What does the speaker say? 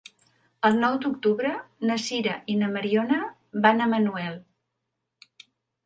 El nou d'octubre na Sira i na Mariona van a Manuel.